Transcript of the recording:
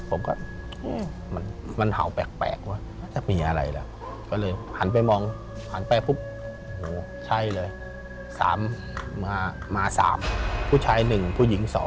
ผมก็มันเห่าแปลกว่ะถ้ามีอะไรแล้วก็เลยหันไปมองหันไปปุ๊บโหใช่เลย๓มา๓ผู้ชาย๑ผู้หญิง๒